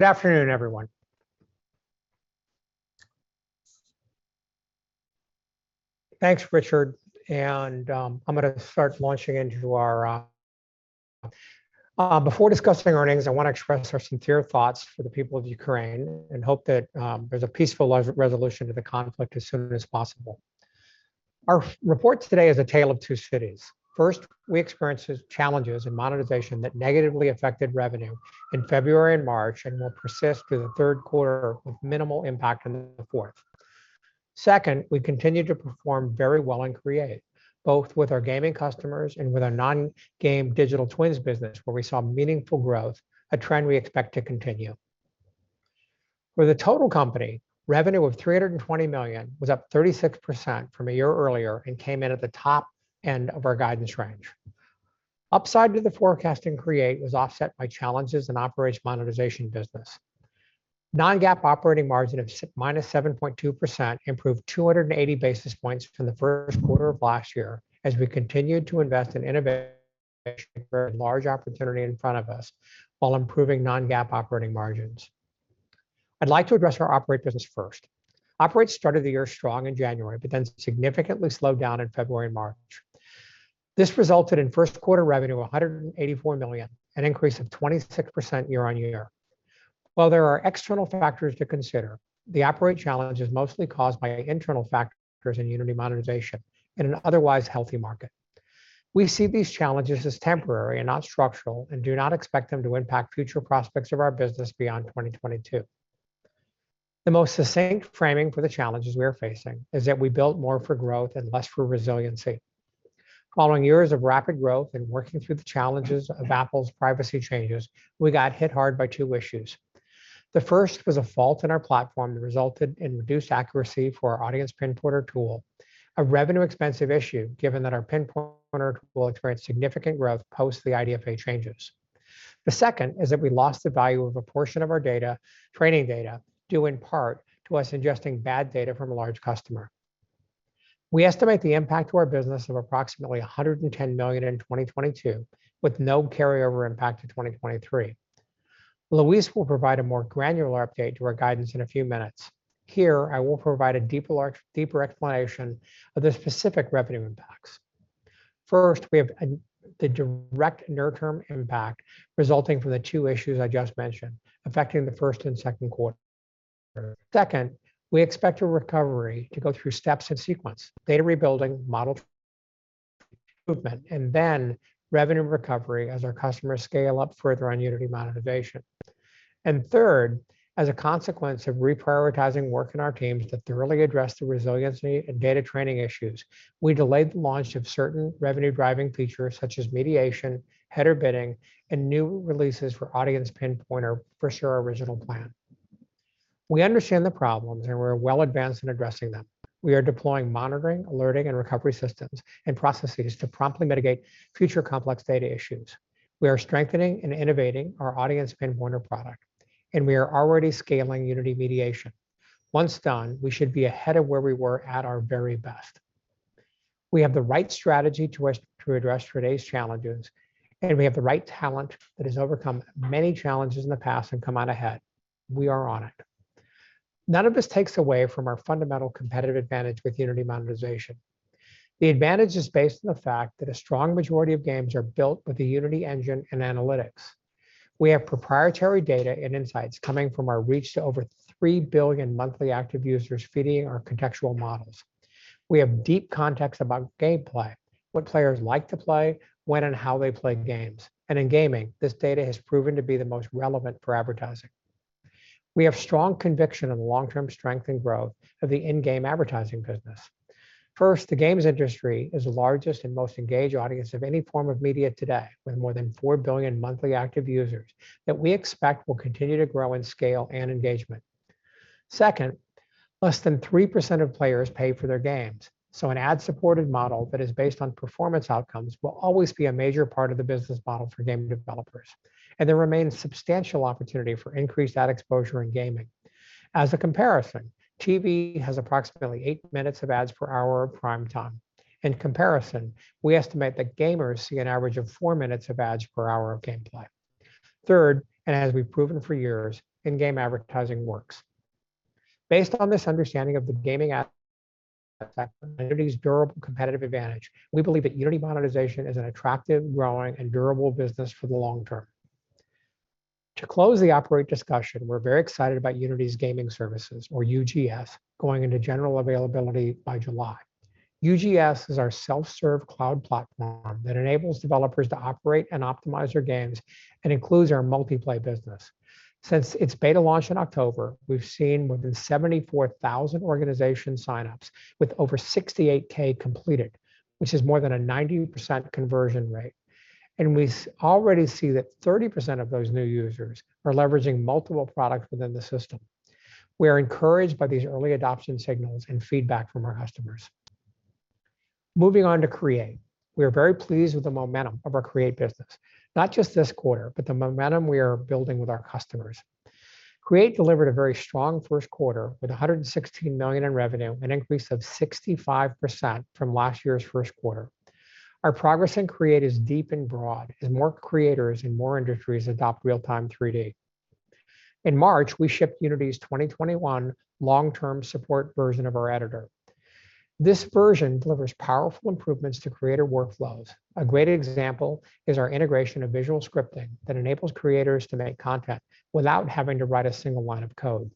Good afternoon, everyone. Thanks, Richard, and I'm gonna start launching into our. Before discussing earnings, I wanna express our sincere thoughts for the people of Ukraine and hope that there's a peaceful resolution to the conflict as soon as possible. Our report today is a tale of two cities. First, we experienced challenges in monetization that negatively affected revenue in February and March and will persist through the third quarter with minimal impact on the fourth quarter. Second, we continued to perform very well in Create, both with our gaming customers and with our non-game digital twins business, where we saw meaningful growth, a trend we expect to continue. For the total company, revenue of $320 million was up 36% from a year earlier and came in at the top end of our guidance range. Upside to the forecast in Create was offset by challenges in Operate's monetization business. Non-GAAP operating margin of minus 7.2% improved 280 basis points from the first quarter of last year as we continued to invest in innovation for the large opportunity in front of us while improving non-GAAP operating margins. I'd like to address our Operate business first. Operate started the year strong in January, but then significantly slowed down in February and March. This resulted in first quarter revenue of $184 million, an increase of 26% year-on-year. While there are external factors to consider, the Operate challenge is mostly caused by internal factors in Unity Monetization in an otherwise healthy market. We see these challenges as temporary and not structural and do not expect them to impact future prospects of our business beyond 2022. The most succinct framing for the challenges we are facing is that we built more for growth and less for resiliency. Following years of rapid growth and working through the challenges of Apple's privacy changes, we got hit hard by two issues. The first was a fault in our platform that resulted in reduced accuracy for our Audience Pinpointer tool, a revenue-expensive issue given that our Pinpointer tool experienced significant growth post the IDFA changes. The second is that we lost the value of a portion of our data, training data, due in part to us ingesting bad data from a large customer. We estimate the impact to our business of approximately $110 million in 2022, with no carryover impact to 2023. Luis will provide a more granular update to our guidance in a few minutes. Here, I will provide a deeper explanation of the specific revenue impacts. First, we have the direct near-term impact resulting from the two issues I just mentioned, affecting the first and second quarter. Second, we expect a recovery to go through steps in sequence, data rebuilding, model treatment, and then revenue recovery as our customers scale up further on Unity Monetization. Third, as a consequence of reprioritizing work in our teams to thoroughly address the resiliency and data training issues, we delayed the launch of certain revenue-driving features such as mediation, header bidding, and new releases for Audience Pinpointer versus our original plan. We understand the problems, and we're well-advanced in addressing them. We are deploying monitoring, alerting, and recovery systems and processes to promptly mitigate future complex data issues. We are strengthening and innovating our Audience Pinpointer product, and we are already scaling Unity Mediation. Once done, we should be ahead of where we were at our very best. We have the right strategy to address today's challenges, and we have the right talent that has overcome many challenges in the past and come out ahead. We are on it. None of this takes away from our fundamental competitive advantage with Unity Monetization. The advantage is based on the fact that a strong majority of games are built with the Unity engine and analytics. We have proprietary data and insights coming from our reach to over three billion monthly active users feeding our contextual models. We have deep context about gameplay, what players like to play, when and how they play games. In gaming, this data has proven to be the most relevant for advertising. We have strong conviction in the long-term strength and growth of the in-game advertising business. First, the games industry is the largest and most engaged audience of any form of media today, with more than four billion monthly active users that we expect will continue to grow in scale and engagement. Second, less than 3% of players pay for their games, so an ad-supported model that is based on performance outcomes will always be a major part of the business model for game developers. There remains substantial opportunity for increased ad exposure in gaming. As a comparison, TV has approximately eight minutes of ads per hour of prime time. In comparison, we estimate that gamers see an average of four minutes of ads per hour of gameplay. Third, and as we've proven for years, in-game advertising works. Based on this understanding of the gaming ad durable competitive advantage, we believe that Unity monetization is an attractive, growing, and durable business for the long term. To close the Operate discussion, we're very excited about Unity's Gaming Services, or UGS, going into general availability by July. UGS is our self-serve cloud platform that enables developers to operate and optimize their games and includes our multiplayer business. Since its beta launch in October, we've seen more than 74,000 organization sign-ups with over 68K completed, which is more than a 90% conversion rate. We already see that 30% of those new users are leveraging multiple products within the system. We are encouraged by these early adoption signals and feedback from our customers. Moving on to Create. We are very pleased with the momentum of our Create business, not just this quarter, but the momentum we are building with our customers. Create delivered a very strong first quarter with $116 million in revenue, an increase of 65% from last year's first quarter. Our progress in Create is deep and broad as more creators in more industries adopt real-time 3D. In March, we shipped Unity's 2021 Long-Term Support version of our editor. This version delivers powerful improvements to creator workflows. A great example is our integration of Visual Scripting that enables creators to make content without having to write a single line of code.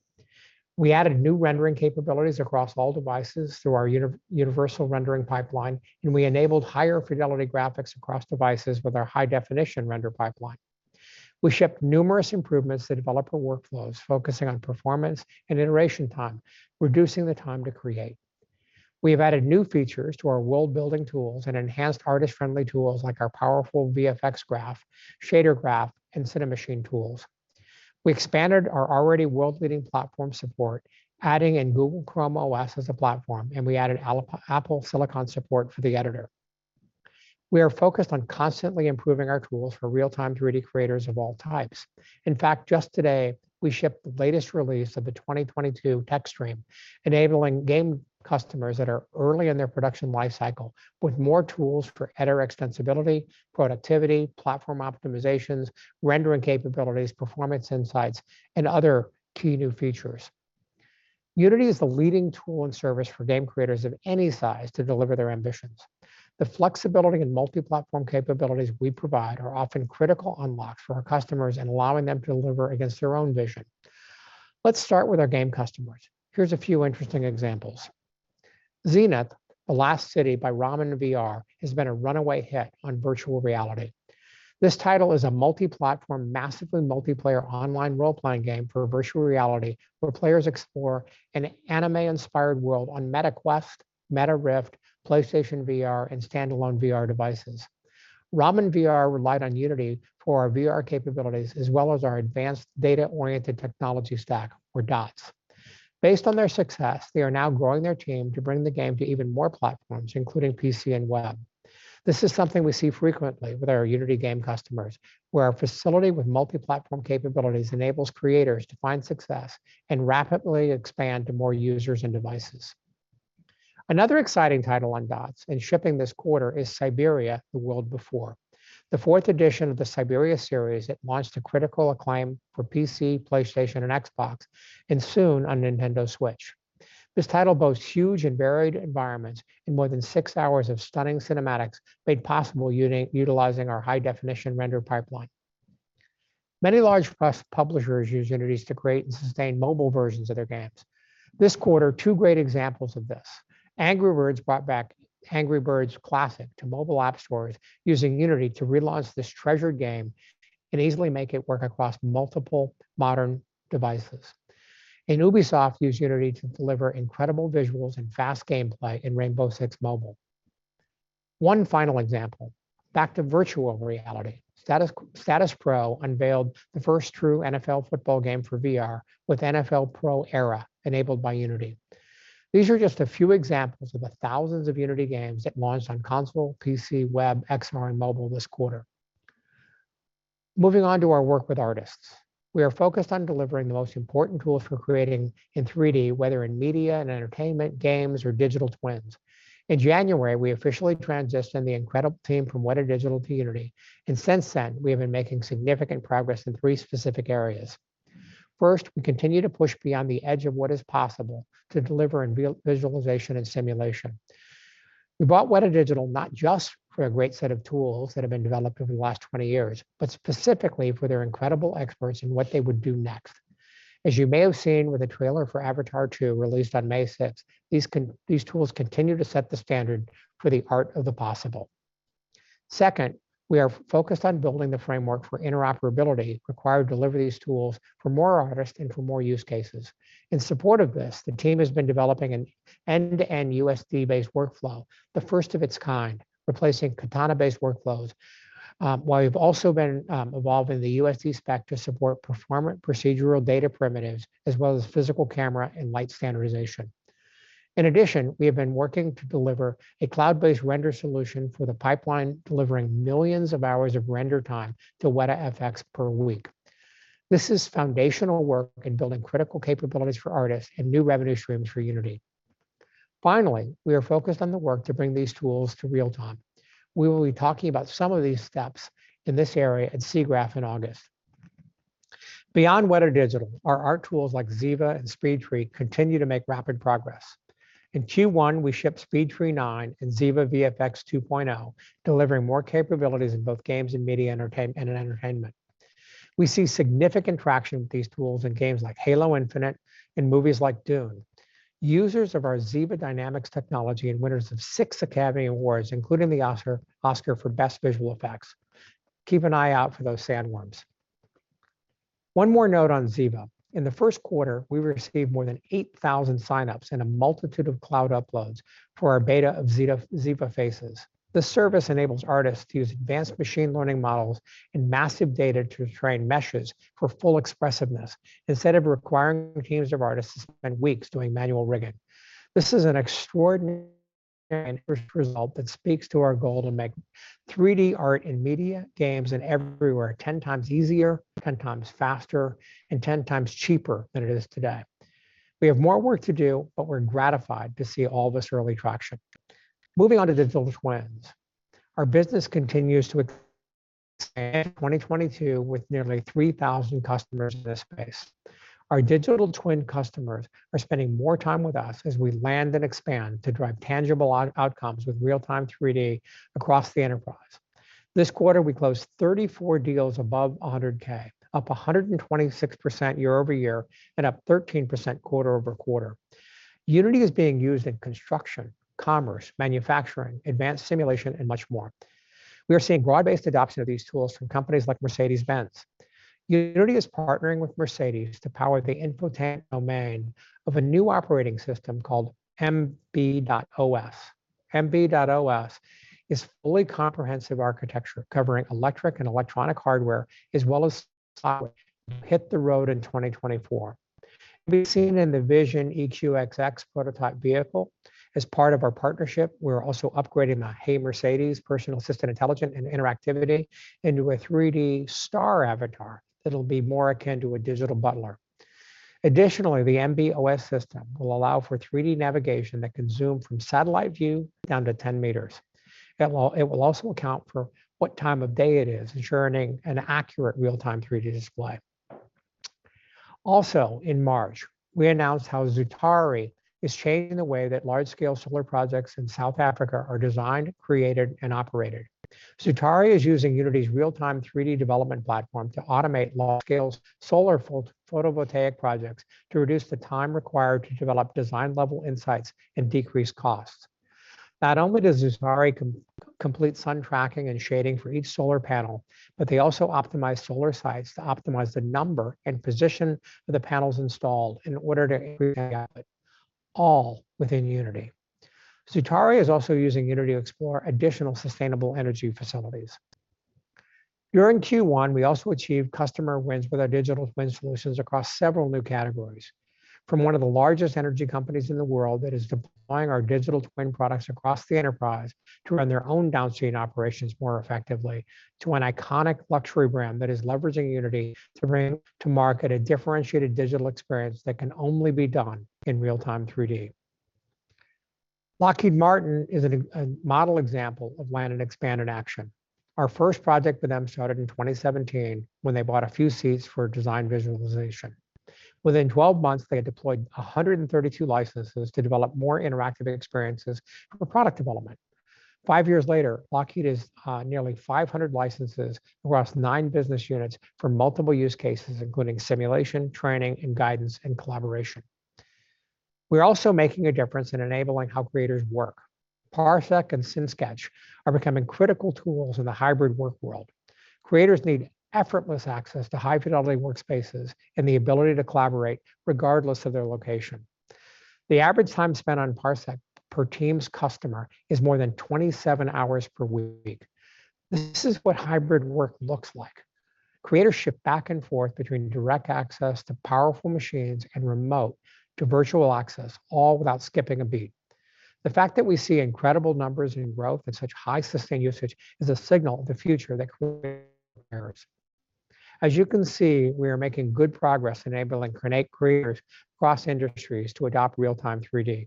We added new rendering capabilities across all devices through our Universal Render Pipeline, and we enabled higher fidelity graphics across devices with our High Definition Render Pipeline. We shipped numerous improvements to developer workflows, focusing on performance and iteration time, reducing the time to create. We have added new features to our world-building tools and enhanced artist-friendly tools like our powerful VFX Graph, Shader Graph, and Cinemachine tools. We expanded our already world-leading platform support, adding in Google ChromeOS as a platform, and we added Apple silicon support for the editor. We are focused on constantly improving our tools for real-time 3D creators of all types. In fact, just today, we shipped the latest release of the 2022 tech stream, enabling game customers that are early in their production life cycle with more tools for editor extensibility, productivity, platform optimizations, rendering capabilities, performance insights, and other key new features. Unity is the leading tool and service for game creators of any size to deliver their ambitions. The flexibility and multi-platform capabilities we provide are often critical unlocks for our customers in allowing them to deliver against their own vision. Let's start with our game customers. Here's a few interesting examples. Zenith: The Last City by Ramen VR has been a runaway hit on virtual reality. This title is a multi-platform, massively multiplayer online role-playing game for virtual reality, where players explore an anime-inspired world on Meta Quest, Rift, PlayStation VR, and standalone VR devices. Ramen VR relied on Unity for our VR capabilities as well as our advanced data-oriented technology stack or DOTS. Based on their success, they are now growing their team to bring the game to even more platforms, including PC and web. This is something we see frequently with our Unity game customers, where our facility with multi-platform capabilities enables creators to find success and rapidly expand to more users and devices. Another exciting title on DOTS and shipping this quarter is Syberia: The World Before. The fourth edition of the Syberia series, it launched to critical acclaim for PC, PlayStation, and Xbox, and soon on Nintendo Switch. This title boasts huge and varied environments in more than six hours of stunning cinematics made possible by utilizing our High Definition Render Pipeline. Many large publishers use Unity to create and sustain mobile versions of their games. This quarter, two great examples of this. Angry Birds brought back Angry Birds Classic to mobile app stores using Unity to relaunch this treasured game and easily make it work across multiple modern devices. Ubisoft used Unity to deliver incredible visuals and fast gameplay in Rainbow Six Mobile. One final example, back to virtual reality. StatusPRO unveiled the first true NFL football game for VR with NFL PRO ERA enabled by Unity. These are just a few examples of the thousands of Unity games that launched on console, PC, web, XR, and mobile this quarter. Moving on to our work with artists. We are focused on delivering the most important tools for creating in 3D, whether in media and entertainment, games, or digital twins. In January, we officially transitioned the incredible team from Weta Digital to Unity, and since then, we have been making significant progress in three specific areas. First, we continue to push beyond the edge of what is possible to deliver in visualization and simulation. We bought Weta Digital not just for a great set of tools that have been developed over the last 20 years, but specifically for their incredible experts in what they would do next. As you may have seen with the trailer for Avatar 2, released on May sixth, these tools continue to set the standard for the art of the possible. Second, we are focused on building the framework for interoperability required to deliver these tools for more artists and for more use cases. In support of this, the team has been developing an end-to-end USD-based workflow, the first of its kind, replacing Katana-based workflows, while we've also been involved in the USD spec to support performant procedural data primitives, as well as physical camera and light standardization. In addition, we have been working to deliver a cloud-based render solution for the pipeline, delivering millions of hours of render time to Wētā FX per week. This is foundational work in building critical capabilities for artists and new revenue streams for Unity. Finally, we are focused on the work to bring these tools to real time. We will be talking about some of these steps in this area at SIGGRAPH in August. Beyond Weta Digital, our art tools like Ziva and SpeedTree continue to make rapid progress. In Q1, we shipped SpeedTree 9 and Ziva VFX 2.0, delivering more capabilities in both games and media entertainment. We see significant traction with these tools in games like Halo Infinite and movies like Dune. Users of our Ziva dynamics technology and winners of 6 Academy Awards, including the Oscar for best visual effects. Keep an eye out for those sandworms. One more note on Ziva. In the first quarter, we received more than 8,000 signups and a multitude of cloud uploads for our beta of Ziva Faces. This service enables artists to use advanced machine learning models and massive data to train meshes for full expressiveness instead of requiring teams of artists to spend weeks doing manual rigging. This is an extraordinary result that speaks to our goal to make 3D art in media, games, and everywhere ten times easier, ten times faster, and ten times cheaper than it is today. We have more work to do, but we're gratified to see all this early traction. Moving on to digital twins. Our business continues to expand in 2022 with nearly 3,000 customers in this space. Our digital twin customers are spending more time with us as we land and expand to drive tangible outcomes with real-time 3D across the enterprise. This quarter, we closed 34 deals above $100K, up 126% year-over-year and up 13% quarter-over-quarter. Unity is being used in construction, commerce, manufacturing, advanced simulation, and much more. We are seeing broad-based adoption of these tools from companies like Mercedes-Benz. Unity is partnering with Mercedes to power the infotainment domain of a new operating system called MB.OS. MB.OS is a fully comprehensive architecture covering electric and electronic hardware as well as software to hit the road in 2024. It will be seen in the VISION EQXX prototype vehicle. As part of our partnership, we're also upgrading the Hey Mercedes personal assistant intelligence and interactivity into a 3D STAR avatar that'll be more akin to a digital butler. Additionally, the MB.OS system will allow for 3D navigation that can zoom from satellite view down to 10 meters. It will also account for what time of day it is, ensuring an accurate real-time 3D display. In March, we announced how Zutari is changing the way that large-scale solar projects in South Africa are designed, created, and operated. Zutari is using Unity's real-time 3D development platform to automate large-scale solar photovoltaic projects to reduce the time required to develop design-level insights and decrease costs. Not only does Zutari complete sun tracking and shading for each solar panel, but they also optimize solar sites to optimize the number and position of the panels installed in order to increase output, all within Unity. Zutari is also using Unity to explore additional sustainable energy facilities. During Q1, we also achieved customer wins with our digital twin solutions across several new categories. From one of the largest energy companies in the world that is deploying our digital twin products across the enterprise to run their own downstream operations more effectively, to an iconic luxury brand that is leveraging Unity to bring to market a differentiated digital experience that can only be done in real-time 3D. Lockheed Martin is a model example of land and expand in action. Our first project with them started in 2017 when they bought a few seats for design visualization. Within 12 months, they had deployed 132 licenses to develop more interactive experiences for product development. five years later, Lockheed has nearly 500 licenses across nine business units for multiple use cases, including simulation, training, and guidance and collaboration. We're also making a difference in enabling how creators work. Parsec and SyncSketch are becoming critical tools in the hybrid work world. Creators need effortless access to high-fidelity workspaces and the ability to collaborate regardless of their location. The average time spent on Parsec per Teams customer is more than 27 hours per week. This is what hybrid work looks like. Creators shift back and forth between direct access to powerful machines and remote to virtual access, all without skipping a beat. The fact that we see incredible numbers in growth and such high sustained usage is a signal of the future that creators deserve. As you can see, we are making good progress enabling creators across industries to adopt real-time 3D.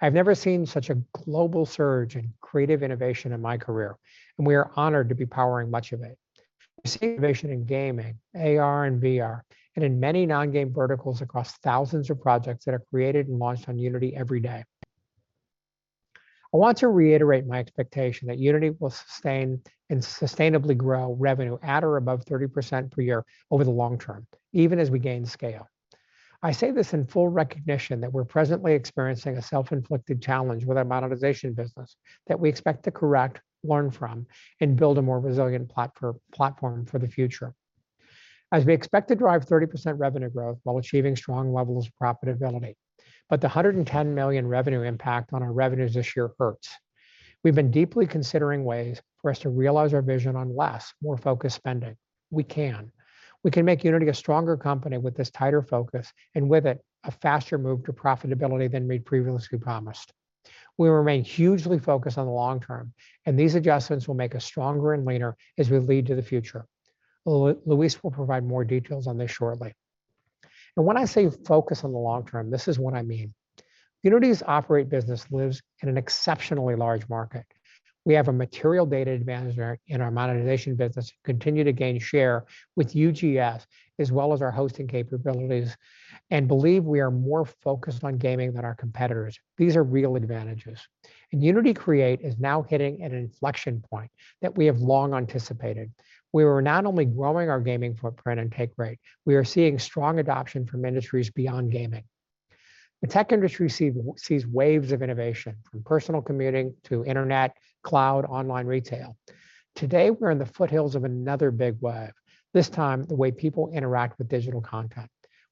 I've never seen such a global surge in creative innovation in my career, and we are honored to be powering much of it. We see innovation in gaming, AR and VR, and in many non-game verticals across thousands of projects that are created and launched on Unity every day. I want to reiterate my expectation that Unity will sustain and sustainably grow revenue at or above 30% per year over the long term, even as we gain scale. I say this in full recognition that we're presently experiencing a self-inflicted challenge with our monetization business that we expect to correct, learn from, and build a more resilient platform for the future. We expect to drive 30% revenue growth while achieving strong levels of profitability. The $110 million revenue impact on our revenues this year hurts. We've been deeply considering ways for us to realize our vision on less, more focused spending. We can. We can make Unity a stronger company with this tighter focus, and with it, a faster move to profitability than we'd previously promised. We remain hugely focused on the long term, and these adjustments will make us stronger and leaner as we lead to the future. Luis will provide more details on this shortly. When I say focus on the long term, this is what I mean. Unity's Operate business lives in an exceptionally large market. We have a material data advantage in our monetization business, continue to gain share with UGS, as well as our hosting capabilities, and believe we are more focused on gaming than our competitors. These are real advantages. Unity Create is now hitting at an inflection point that we have long anticipated. We are not only growing our gaming footprint and take rate, we are seeing strong adoption from industries beyond gaming. The tech industry sees waves of innovation, from personal computing to internet, cloud, online retail. Today, we're in the foothills of another big wave. This time, the way people interact with digital content.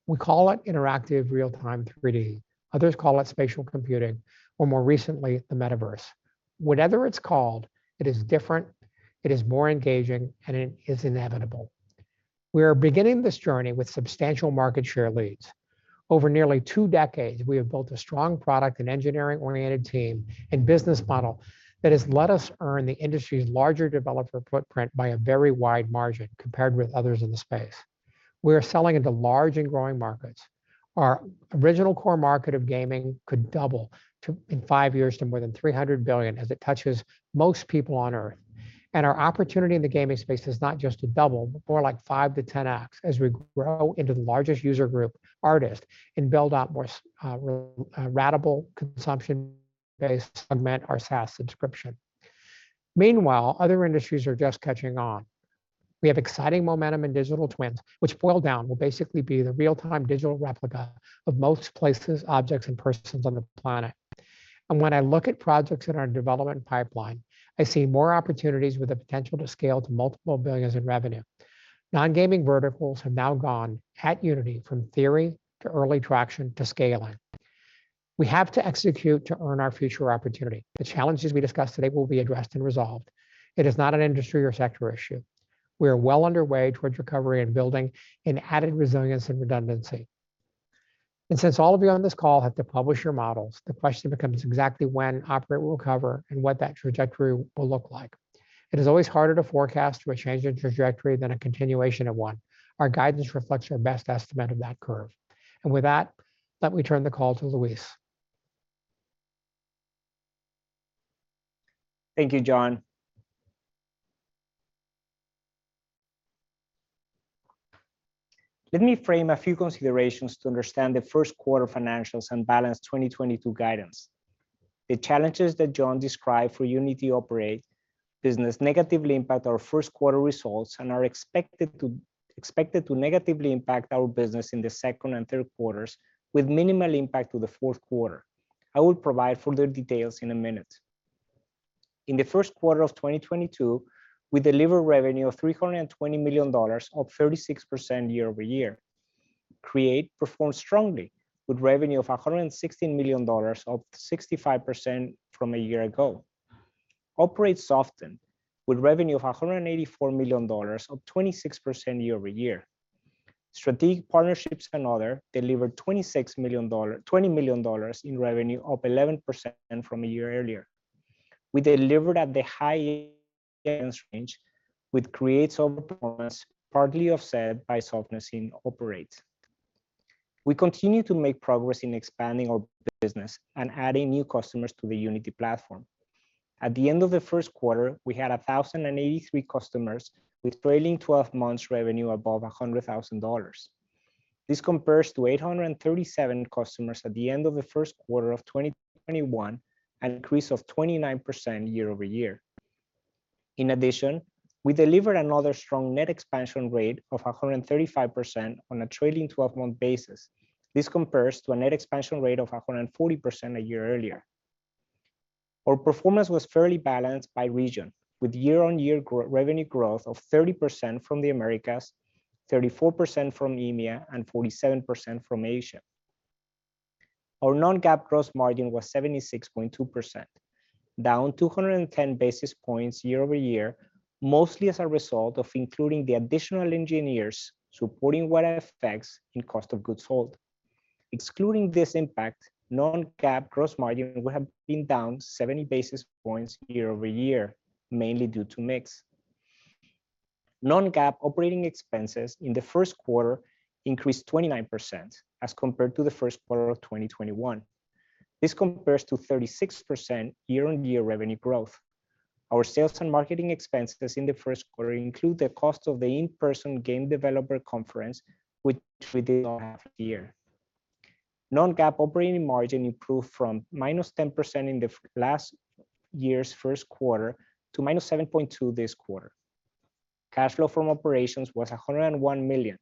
We call it interactive real-time 3D. Others call it spatial computing, or more recently, the metaverse. Whatever it's called, it is different, it is more engaging, and it is inevitable. We are beginning this journey with substantial market share leads. Over nearly two decades, we have built a strong product and engineering-oriented team and business model that has let us earn the industry's larger developer footprint by a very wide margin compared with others in the space. We are selling into large and growing markets. Our original core market of gaming could double to $300 billion in five years as it touches most people on Earth. Our opportunity in the gaming space is not just to double, but more like 5x-10x as we grow into the largest user group artists and build out more ratable consumption-based segment, our SaaS subscription. Meanwhile, other industries are just catching on. We have exciting momentum in digital twins, which boil down, will basically be the real-time digital replica of most places, objects, and persons on the planet. When I look at projects in our development pipeline, I see more opportunities with the potential to scale to multiple billions in revenue. Non-gaming verticals have now gone at Unity from theory to early traction to scaling. We have to execute to earn our future opportunity. The challenges we discussed today will be addressed and resolved. It is not an industry or sector issue. We are well underway towards recovery and building an added resilience and redundancy. Since all of you on this call have to publish your models, the question becomes exactly when Operate will recover and what that trajectory will look like. It is always harder to forecast a change in trajectory than a continuation of one. Our guidance reflects our best estimate of that curve. With that, let me turn the call to Luis. Thank you, John. Let me frame a few considerations to understand the first quarter financials and balance 2022 guidance. The challenges that John described for Unity Operate business negatively impact our first quarter results and are expected to negatively impact our business in the second and third quarters with minimal impact to the fourth quarter. I will provide further details in a minute. In the first quarter of 2022, we delivered revenue of $320 million, up 36% year-over-year. Create performed strongly with revenue of $116 million, up 65% from a year ago. Operate softened with revenue of $184 million, up 26% year-over-year. Strategic partnerships and other delivered $20 million in revenue, up 11% from a year earlier. We delivered at the high end range with Create's overperformance partly offset by softness in Operate. We continue to make progress in expanding our business and adding new customers to the Unity platform. At the end of the first quarter, we had 1,083 customers with trailing 12-month revenue above $100,000. This compares to 837 customers at the end of the first quarter of 2021, an increase of 29% year-over-year. In addition, we delivered another strong net expansion rate of 135% on a trailing 12-month basis. This compares to a net expansion rate of 140% a year earlier. Our performance was fairly balanced by region, with year-over-year revenue growth of 30% from the Americas, 34% from EMEA, and 47% from Asia. Our non-GAAP gross margin was 76.2%, down 210 basis points year-over-year, mostly as a result of including the additional engineers supporting WetaFX in cost of goods sold. Excluding this impact, non-GAAP gross margin would have been down 70 basis points year-over-year, mainly due to mix. Non-GAAP operating expenses in the first quarter increased 29% as compared to the first quarter of 2021. This compares to 36% year-on-year revenue growth. Our sales and marketing expenses in the first quarter include the cost of the in-person Game Developers Conference, which we did have here. Non-GAAP operating margin improved from -10% in the last year's first quarter to -7.2% this quarter. Cash flow from operations was $101 million,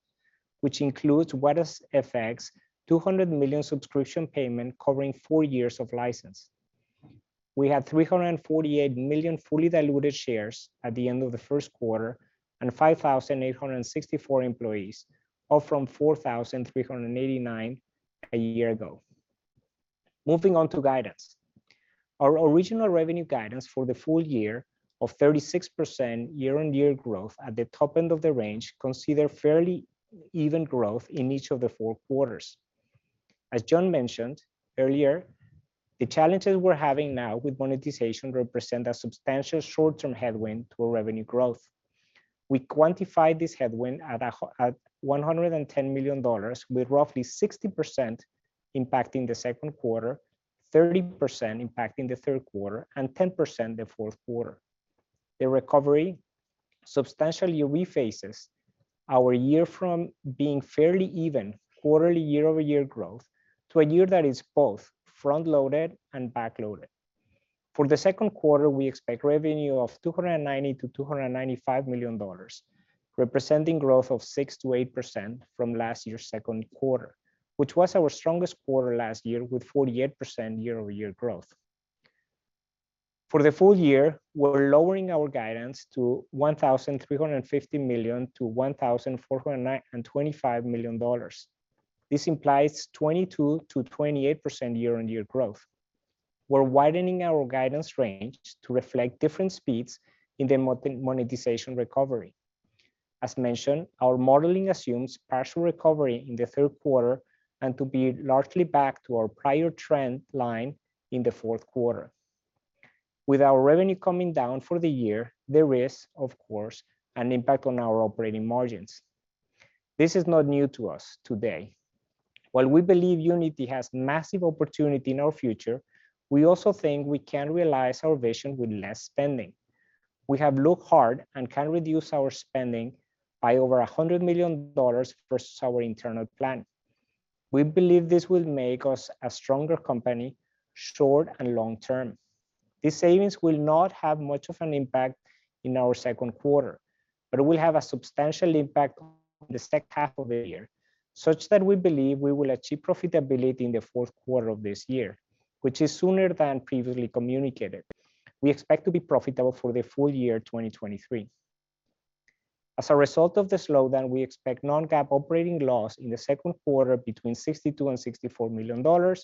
which includes Wētā FX $200 million subscription payment covering four years of license. We had 348 million fully diluted shares at the end of the first quarter and 5,864 employees, up from 4,389 a year ago. Moving on to guidance. Our original revenue guidance for the full year of 36% year-on-year growth at the top end of the range consider fairly even growth in each of the four quarters. As John mentioned earlier, the challenges we're having now with monetization represent a substantial short-term headwind to our revenue growth. We quantified this headwind at $110 million, with roughly 60% impacting the second quarter, 30% impacting the third quarter, and 10% the fourth quarter. The recovery substantially rephases our year from being fairly even quarterly year-over-year growth to a year that is both front-loaded and back-loaded. For the second quarter, we expect revenue of $290 million-$295 million, representing growth of 6%-8% from last year's second quarter, which was our strongest quarter last year with 48% year-over-year growth. For the full year, we're lowering our guidance to $1,350 million-$1,425 million. This implies 22%-28% year-over-year growth. We're widening our guidance range to reflect different speeds in the monetization recovery. As mentioned, our modeling assumes partial recovery in the third quarter and to be largely back to our prior trend line in the fourth quarter. With our revenue coming down for the year, there is, of course, an impact on our operating margins. This is not new to us today. While we believe Unity has massive opportunity in our future, we also think we can realize our vision with less spending. We have looked hard and can reduce our spending by over $100 million versus our internal plan. We believe this will make us a stronger company, short and long term. These savings will not have much of an impact in our second quarter, but will have a substantial impact on the second half of the year, such that we believe we will achieve profitability in the fourth quarter of this year, which is sooner than previously communicated. We expect to be profitable for the full year 2023. As a result of the slowdown, we expect non-GAAP operating loss in the second quarter between $62 million and $64 million.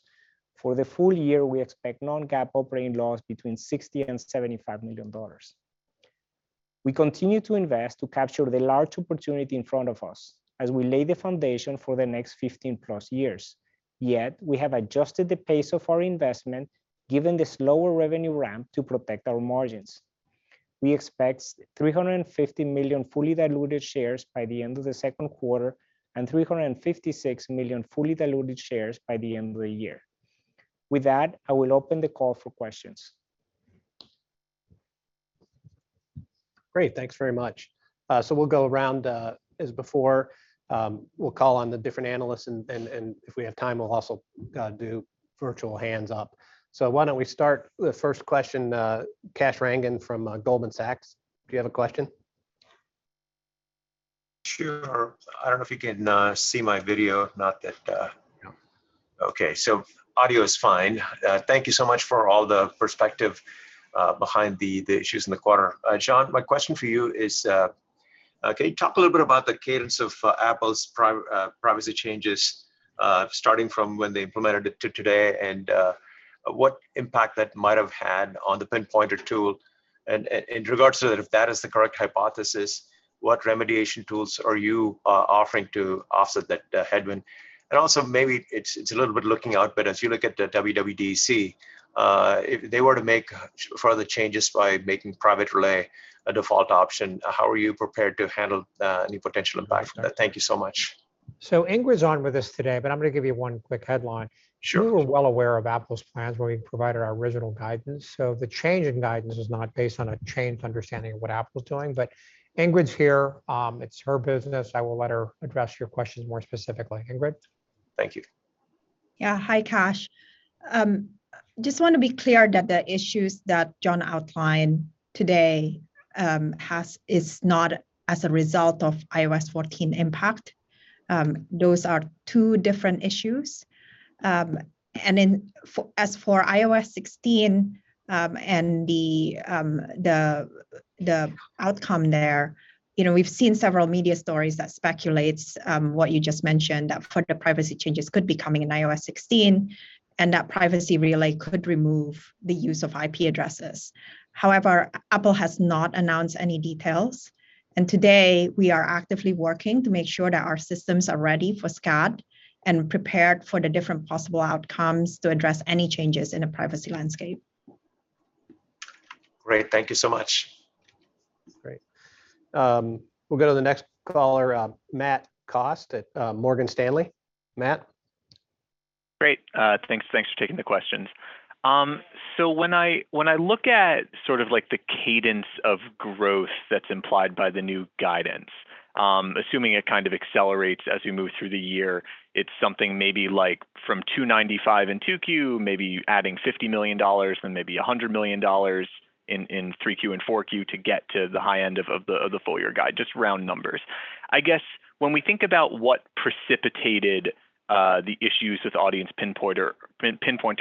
For the full year, we expect non-GAAP operating loss between $60 million and $75 million. We continue to invest to capture the large opportunity in front of us as we lay the foundation for the next 15+ years. Yet we have adjusted the pace of our investment, given the slower revenue ramp, to protect our margins. We expect 350 million fully diluted shares by the end of the second quarter and 356 million fully diluted shares by the end of the year. With that, I will open the call for questions. Great. Thanks very much. We'll go around, as before. We'll call on the different analysts and if we have time, we'll also do virtual hands up. Why don't we start the first question, Kash Rangan from Goldman Sachs. Do you have a question? Sure. I don't know if you can see my video. No. Okay. Audio is fine. Thank you so much for all the perspective behind the issues in the quarter. John, my question for you is, can you talk a little bit about the cadence of Apple's privacy changes, starting from when they implemented it to today and what impact that might have had on the Pinpointer tool? In regards to that, if that is the correct hypothesis, what remediation tools are you offering to offset that headwind? Also maybe it's a little bit looking out, but as you look at the WWDC, if they were to make further changes by making Private Relay a default option, how are you prepared to handle any potential impact from that? Thank you so much. Ingrid's on with us today, but I'm gonna give you one quick headline. Sure. We were well aware of Apple's plans when we provided our original guidance, so the change in guidance is not based on a changed understanding of what Apple's doing. Ingrid's here, it's her business. I will let her address your questions more specifically. Ingrid? Thank you. Yeah. Hi, Kash. Just want to be clear that the issues that John outlined today is not as a result of iOS 14 impact. Those are two different issues. As for iOS 16 and the outcome there, you know, we've seen several media stories that speculates what you just mentioned, that further privacy changes could be coming in iOS 16, and that Private Relay could remove the use of IP addresses. However, Apple has not announced any details, and today we are actively working to make sure that our systems are ready for SKAdNetwork and prepared for the different possible outcomes to address any changes in the privacy landscape. Great. Thank you so much. Great. We'll go to the next caller, Matt Cost at Morgan Stanley. Matt? Great. Thanks. Thanks for taking the questions. So when I look at sort of like the cadence of growth that's implied by the new guidance, assuming it kind of accelerates as we move through the year, it's something maybe like from $295 million in 2Q, maybe adding $50 million, then maybe $100 million in 3Q and 4Q to get to the high end of the full year guide, just round numbers. I guess when we think about what precipitated the issues with Audience Pinpointer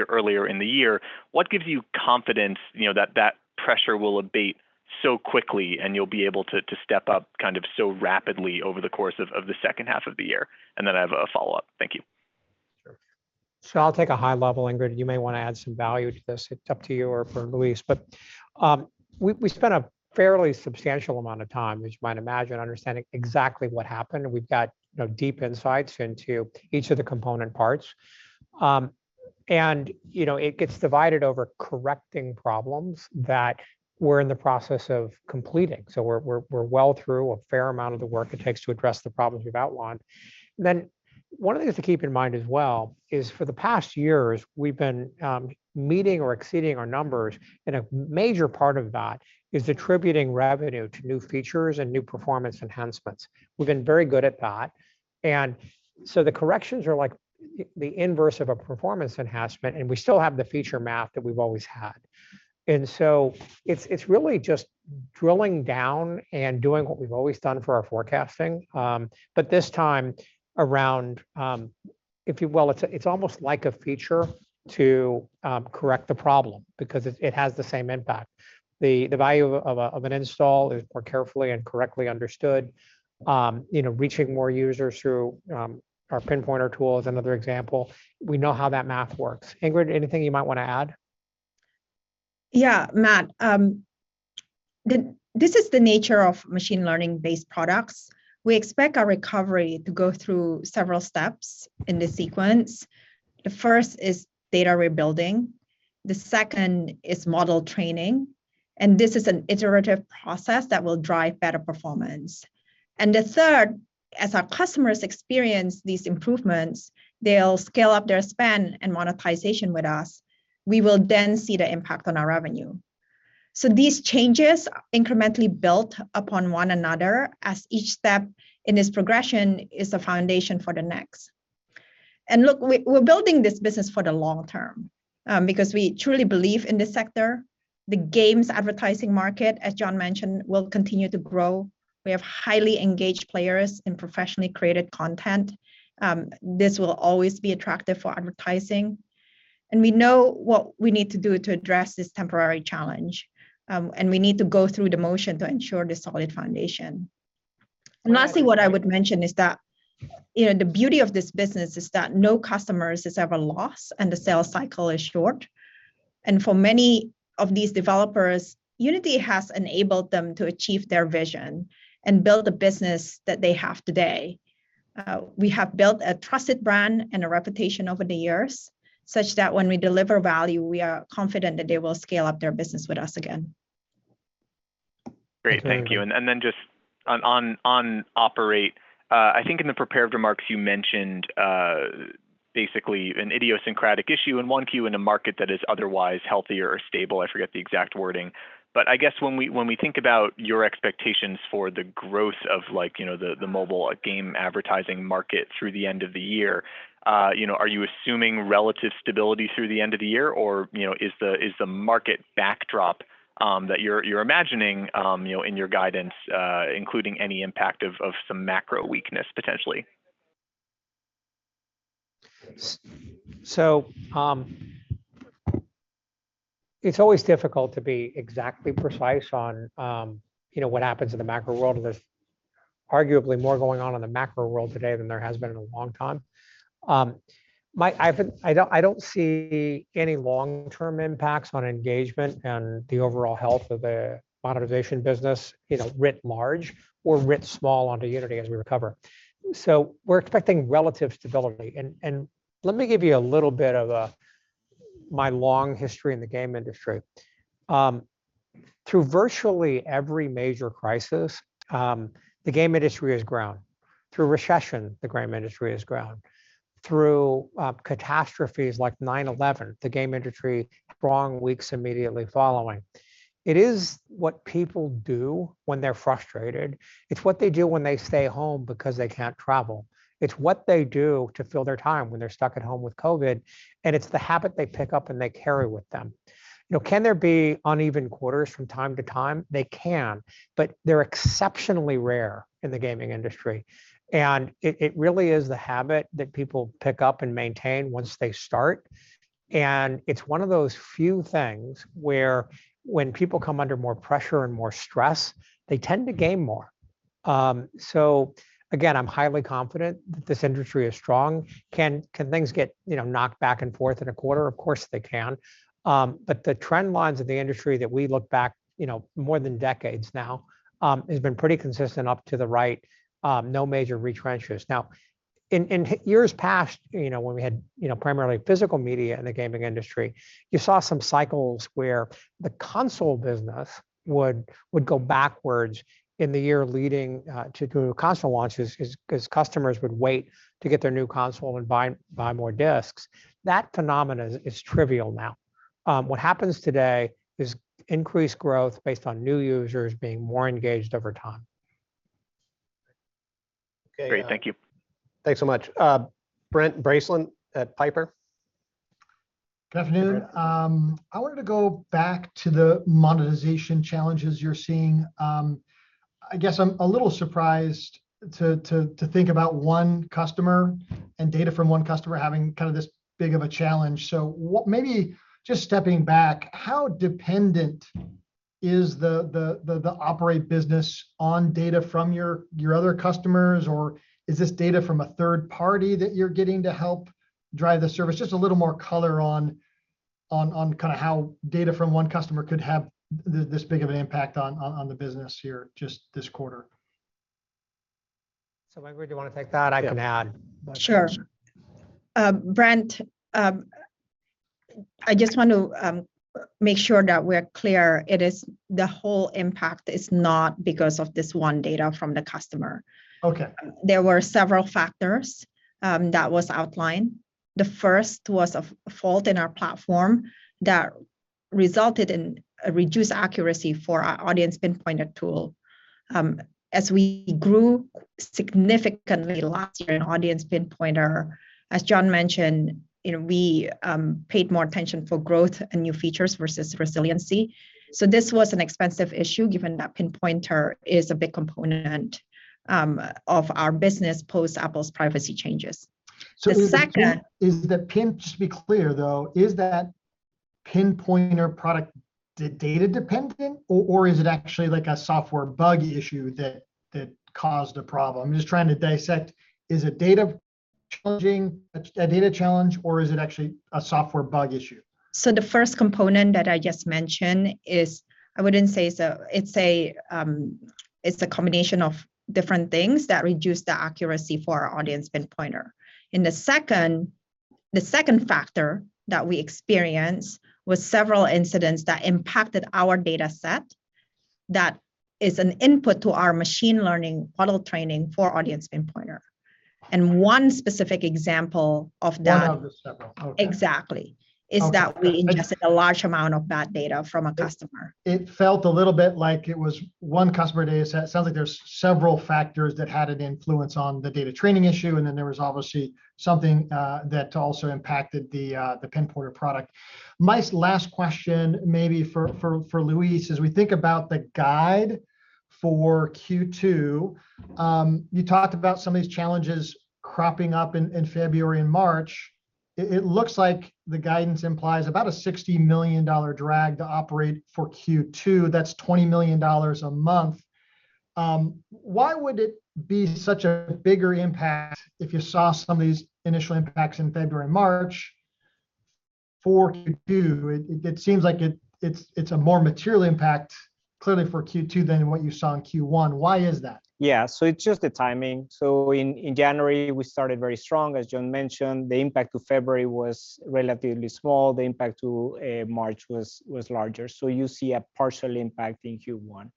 earlier in the year, what gives you confidence that that pressure will abate so quickly and you'll be able to step up kind of so rapidly over the course of the second half of the year? And then I have a follow-up. Thank you. Sure. I'll take a high level. Ingrid, you may wanna add some value to this. It's up to you or for Luis. We spent a fairly substantial amount of time, as you might imagine, understanding exactly what happened. We've got, you know, deep insights into each of the component parts. It gets divided over correcting problems that we're in the process of completing. We're well through a fair amount of the work it takes to address the problems we've outlined. One of the things to keep in mind as well is for the past years, we've been meeting or exceeding our numbers, and a major part of that is attributing revenue to new features and new performance enhancements. We've been very good at that. The corrections are like the inverse of a performance enhancement, and we still have the feature map that we've always had. It's really just drilling down and doing what we've always done for our forecasting, but this time around, if you will, it's almost like a feature to correct the problem because it has the same impact. The value of an install is more carefully and correctly understood. You know, reaching more users through our Pinpointer tool is another example. We know how that math works. Ingrid, anything you might wanna add? Yeah, Matt, this is the nature of machine learning-based products. We expect our recovery to go through several steps in this sequence. The first is data rebuilding, the second is model training, and this is an iterative process that will drive better performance. The third, as our customers experience these improvements, they'll scale up their spend and monetization with us. We will then see the impact on our revenue. These changes incrementally built upon one another as each step in this progression is the foundation for the next. Look, we're building this business for the long term, because we truly believe in this sector. The games advertising market, as John mentioned, will continue to grow. We have highly engaged players and professionally created content. This will always be attractive for advertising. We know what we need to do to address this temporary challenge, and we need to go through the motions to ensure the solid foundation. Lastly, what I would mention is that, you know, the beauty of this business is that no customer is ever lost, and the sales cycle is short. For many of these developers, Unity has enabled them to achieve their vision and build a business that they have today. We have built a trusted brand and a reputation over the years such that when we deliver value, we are confident that they will scale up their business with us again. Great. Thank you. Just on Operate, I think in the prepared remarks you mentioned basically an idiosyncratic issue in one Q in a market that is otherwise healthier or stable. I forget the exact wording. I guess when we think about your expectations for the growth of like, you know, the mobile game advertising market through the end of the year, you know, are you assuming relative stability through the end of the year? Or, you know, is the market backdrop that you're imagining, you know, in your guidance, including any impact of some macro weakness potentially? It's always difficult to be exactly precise on, you know, what happens in the macro world. There's arguably more going on in the macro world today than there has been in a long time. I don't see any long-term impacts on engagement and the overall health of the monetization business, you know, writ large or writ small onto Unity as we recover. We're expecting relative stability. Let me give you a little bit of a, my long history in the game industry. Through virtually every major crisis, the game industry has grown. Through recession, the game industry has grown. Through catastrophes like 9/11, the game industry saw strong weeks immediately following. It is what people do when they're frustrated. It's what they do when they stay home because they can't travel. It's what they do to fill their time when they're stuck at home with COVID. It's the habit they pick up and they carry with them. You know, can there be uneven quarters from time to time? They can, but they're exceptionally rare in the gaming industry. It really is the habit that people pick up and maintain once they start. It's one of those few things where when people come under more pressure and more stress, they tend to game more. Again, I'm highly confident that this industry is strong. Can things get, you know, knocked back and forth in a quarter? Of course, they can. The trend lines of the industry that we look back, you know, more than decades now, has been pretty consistent up to the right, no major retrenchments. Now, in years past, you know, when we had, you know, primarily physical media in the gaming industry, you saw some cycles where the console business would go backwards in the year leading to console launches 'cause customers would wait to get their new console and buy more disks. That phenomenon is trivial now. What happens today is increased growth based on new users being more engaged over time. Great. Thank you. Thanks so much. Brent Bracelin at Piper. Good afternoon. I wanted to go back to the monetization challenges you're seeing. I guess I'm a little surprised to think about one customer and data from one customer having kinda this big of a challenge. Maybe just stepping back, how dependent is the Operate business on data from your other customers? Or is this data from a third party that you're getting to help drive the service? Just a little more color on kinda how data from one customer could have this big of an impact on the business here just this quarter. Ingrid Lestiyo, do you wanna take that? I can add. Sure. Brent, I just want to make sure that we're clear. It is the whole impact is not because of this one data from the customer. Okay. There were several factors that was outlined. The first was a fault in our platform that resulted in a reduced accuracy for our Audience Pinpointer tool. As we grew significantly last year in Audience Pinpointer, as John mentioned, you know, we paid more attention for growth and new features versus resiliency. This was an expensive issue given that Pinpointer is a big component of our business post Apple's privacy changes. The second Just to be clear though, is that Pinpointer product data dependent, or is it actually like a software bug issue that caused a problem? I'm just trying to dissect, is it a data challenge or is it actually a software bug issue? The first component that I just mentioned is a combination of different things that reduce the accuracy for our Audience Pinpointer. The second factor that we experienced was several incidents that impacted our data set that is an input to our machine learning model training for Audience Pinpointer, and one specific example of that. One out of the several. Okay. Exactly. Okay. We ingested a large amount of bad data from a customer. It felt a little bit like it was one customer data set. It sounds like there's several factors that had an influence on the data training issue, and then there was obviously something that also impacted the Pinpointer product. My last question may be for Luis. As we think about the guide for Q2, you talked about some of these challenges cropping up in February and March. It looks like the guidance implies about a $60 million drag to operate for Q2. That's $20 million a month. Why would it be such a bigger impact if you saw some of these initial impacts in February and March for Q2? It seems like it's a more material impact clearly for Q2 than what you saw in Q1. Why is that? It's just the timing. In January we started very strong, as John mentioned. The impact to February was relatively small. The impact to March was larger. You see a partial impact in Q1.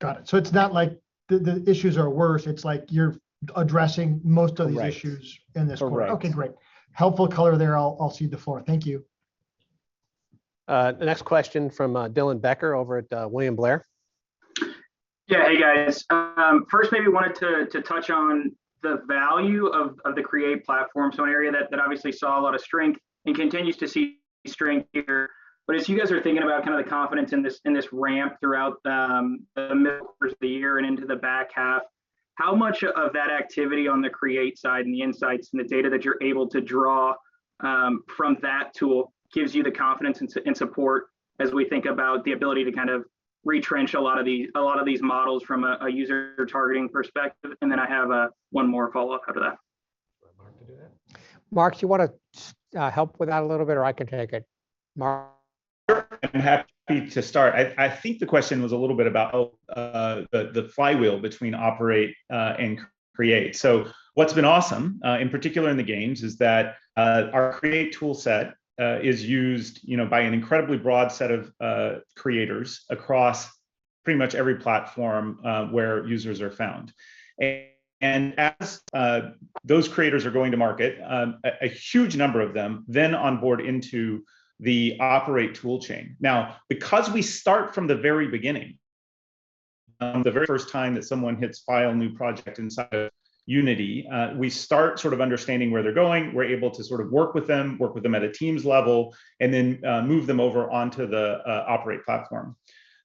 Got it. It's not like the issues are worse, it's like you're addressing most of. Right These issues in this quarter. Correct. Okay. Great. Helpful color there. I'll cede the floor. Thank you. Next question from Dylan Becker over at William Blair. Yeah. Hey, guys. First, maybe wanted to touch on the value of the Create platform. An area that obviously saw a lot of strength and continues to see strength here. As you guys are thinking about kind of the confidence in this ramp throughout midway through the year and into the back half, how much of that activity on the Create side and the insights and the data that you're able to draw from that tool gives you the confidence and support as we think about the ability to kind of retrench a lot of these models from a user targeting perspective? Then I have one more follow-up after that. Want Marc to do that? Marc, do you wanna help with that a little bit, or I can take it. Marc? Sure. I'm happy to start. I think the question was a little bit about the flywheel between Operate and Create. What's been awesome in particular in the games is that our Create tool set is used, you know, by an incredibly broad set of creators across pretty much every platform where users are found. And as those creators are going to market, a huge number of them then onboard into the Operate tool chain. Now, because we start from the very beginning, the very first time that someone hits File, New Project inside of Unity, we start sort of understanding where they're going. We're able to sort of work with them at a teams level, and then move them over onto the Operate platform.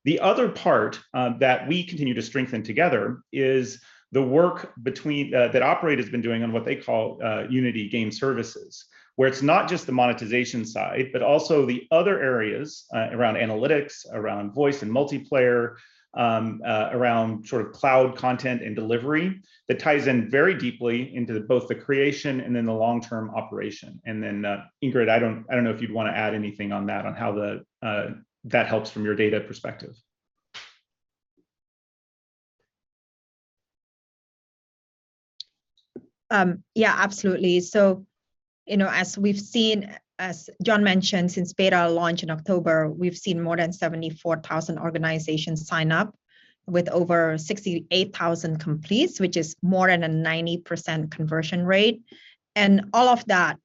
The other part that we continue to strengthen together is the work that Operate has been doing on what they call Unity Gaming Services, where it's not just the monetization side, but also the other areas around analytics, around live ops and multiplayer, around sort of cloud content and delivery, that ties in very deeply into both the creation and then the long-term operation. Ingrid, I don't know if you'd wanna add anything on that, on how that helps from your data perspective. Yeah, absolutely. You know, as we've seen, as John mentioned, since beta launch in October, we've seen more than 74,000 organizations sign up with over 68,000 completes, which is more than a 90% conversion rate. All of that,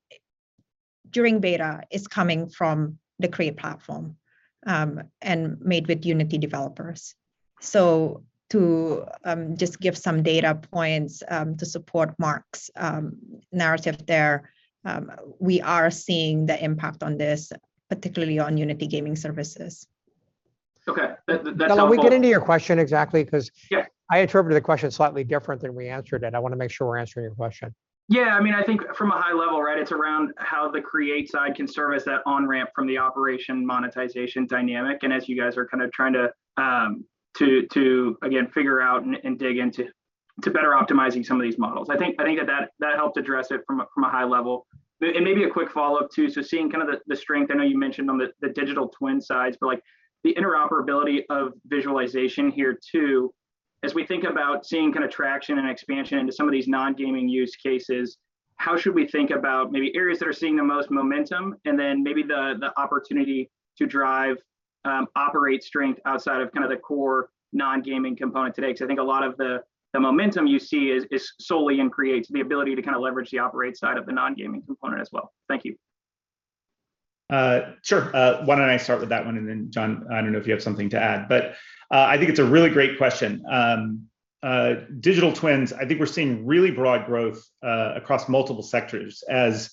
during beta, is coming from the Create platform, and made with Unity developers. To just give some data points to support Mark's narrative there, we are seeing the impact on this, particularly on Unity Gaming Services. Okay. That's helpful. Dylan, we get into your question exactly? Yeah I interpreted the question slightly different than we answered it. I wanna make sure we're answering your question. Yeah. I mean, I think from a high level, right? It's around how the Create side can service that on-ramp from the Operate monetization dynamic, and as you guys are kinda trying to, again, figure out and dig into to better optimizing some of these models. I think that helped address it from a high level. Maybe a quick follow-up, too. Seeing the strength, I know you mentioned on the digital twins sides, but, like, the interoperability of visualization here, too, as we think about seeing kinda traction and expansion into some of these non-gaming use cases, how should we think about maybe areas that are seeing the most momentum, and then maybe the opportunity to drive Operate strength outside of kinda the core non-gaming component today? 'Cause I think a lot of the momentum you see is solely in Create, the ability to kinda leverage the Operate side of the non-gaming component as well. Thank you. Sure. Why don't I start with that one, and then John, I don't know if you have something to add. I think it's a really great question. Digital twins, I think we're seeing really broad growth across multiple sectors as